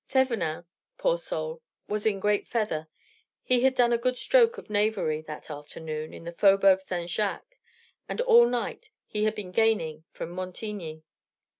Thevenin, poor soul, was in great feather: he had done a good stroke of knavery that afternoon in the Faubourg St. Jacques, and all night he had been gaining from Montigny.